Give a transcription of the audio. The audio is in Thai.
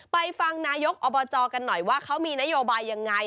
ไปฟังนายกอบจกันหน่อยว่าเขามีนโยบายยังไง